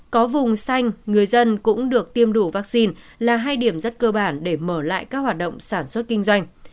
có vùng xanh người dân cũng được tiêm đủ vaccine là hai điểm rất cơ bản để mở lại các hoạt động sản xuất kinh doanh